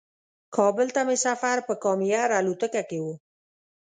کابل ته مې سفر په کام ایر الوتکه کې و.